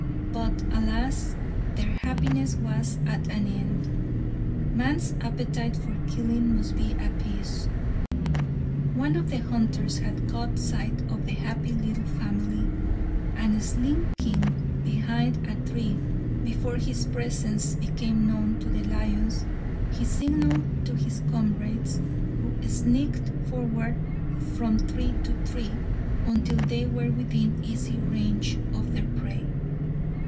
But alas, their happiness was at an end. Man's appetite for killing must be appeased. One of the hunters had caught sight of the happy little family, and slinking behind a tree before his presence became known to the lions he signaled to his comrades, who sneaked forward from tree to tree until they were within easy range of their prey.